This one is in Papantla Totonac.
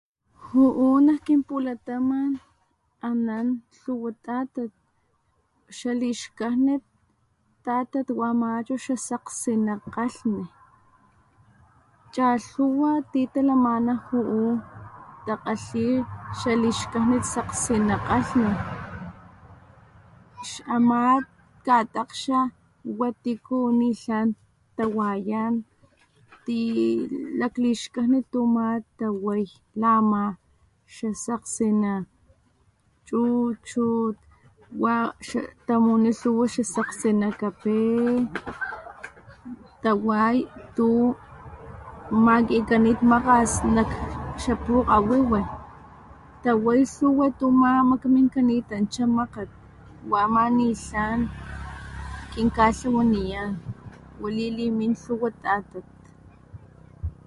Ju'u nak kinpulataman anan lhuwa tatat, xalixkajnit tatat wa ama xasakgsina kgalhni, cha'lhuwa ti talamana ju'u takgalhi xalixkajnit sakgsina kgalhgni, ama kgatakgxa wa tiku nitlan tawayan, tilaklixkajni tuma taway la ama xasakgsina chuchut, wa tamuni xa lhuwa xasakgsina kape, taway tu makikanit makgas nakxakpukgawiwin, taway lhuwa tu ama makaminkanitancha makgat wa ama nitlan kinkatlawaniyan wali limin lhuwa tatat.